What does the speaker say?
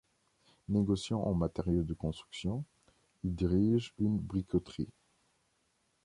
Négociant en matériaux de construction, il dirige une briqueterie.